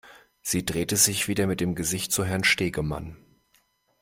Sie drehte sich wieder mit dem Gesicht zu Herrn Stegemann.